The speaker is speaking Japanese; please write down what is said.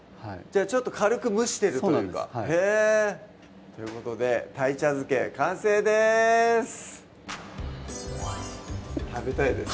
ちょっと軽く蒸してるというかそうなんですということで「鯛茶漬け」完成です食べたいです